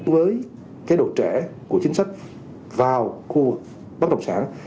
với cái độ trẻ của chính sách vào khu vực bất động sản